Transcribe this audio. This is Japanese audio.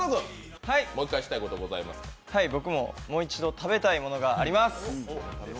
僕も、もう一度食べたいものがあります。